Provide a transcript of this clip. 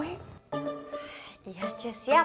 iya ce siap